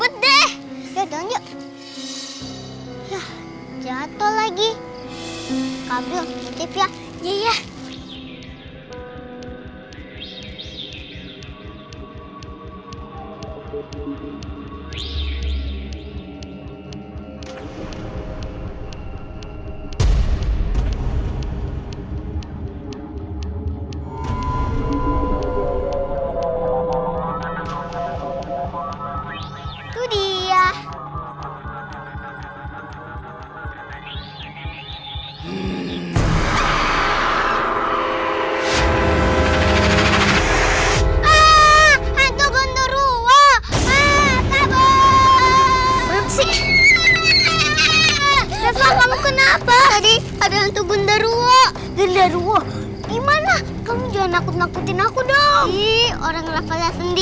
terus ngeselin di panggungnya